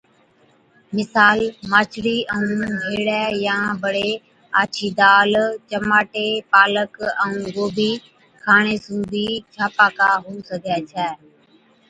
مثال، ماڇڙِي ائُون هيڙَي يان بڙي آڇِي دال، چماٽي، پالڪ ائُون گوبِي کاڻي سُون بِي ڇاپاڪا هُو سِگھَي ڇَي۔